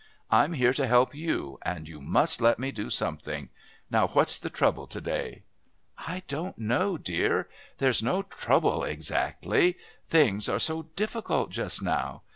I'm here to help you, and you must let me do something. Now, what's the trouble to day?" "I don't know, dear. There's no trouble exactly. Things are so difficult just now.